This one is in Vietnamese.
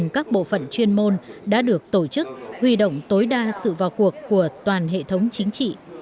các bộ phận chuyên môn đã được tổ chức huy động tối đa sự vào cuộc của toàn hệ thống chính trị